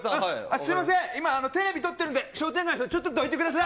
すみません、今、テレビ撮ってるんで、商店街の人、ちょっとどいてください。